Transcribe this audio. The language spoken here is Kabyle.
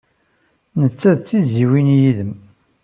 Netta d tizzyiwin yid-m.